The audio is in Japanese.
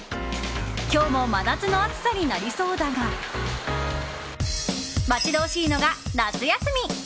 今日も真夏の暑さになりそうだが待ち遠しいのが、夏休み。